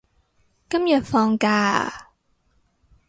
今日放假啊？